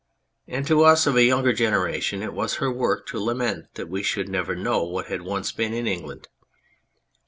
And to us of a younger generation it was her work to lament that we should never know what had once been in England.